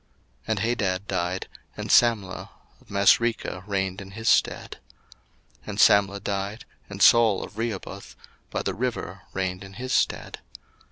01:036:036 And Hadad died, and Samlah of Masrekah reigned in his stead. 01:036:037 And Samlah died, and Saul of Rehoboth by the river reigned in his stead.